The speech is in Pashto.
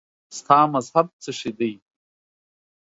ستا مذهب څه شی دی؟